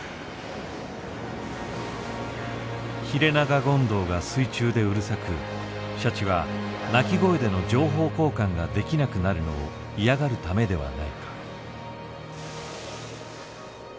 「ヒレナガゴンドウが水中でうるさくシャチは鳴き声での情報交換ができなくなるのを嫌がるためではないか」。